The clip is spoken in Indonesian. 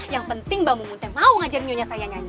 yang penting mbak mungun teh mau ngajarin nyonya saya nyanyi